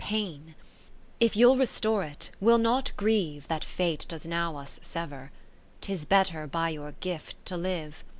Pain, IV If you'll restore it, we'll not grieve That Fate does now us sever ; 'Tis better by your gift to live.